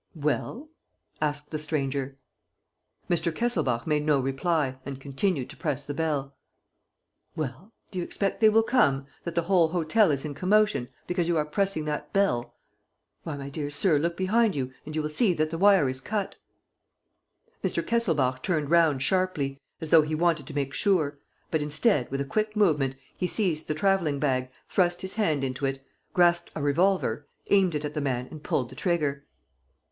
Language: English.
"Well?" asked the stranger. Mr. Kesselbach made no reply and continued to press the button. "Well? Do you expect they will come, that the whole hotel is in commotion, because you are pressing that bell? Why, my dear sir, look behind you and you will see that the wire is cut!" Mr. Kesselbach turned round sharply, as though he wanted to make sure; but, instead, with a quick movement, he seized the traveling bag, thrust his hand into it, grasped a revolver, aimed it at the man and pulled the trigger.